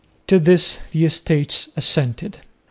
To this the Estates assented.